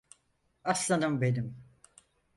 Aslanım benim.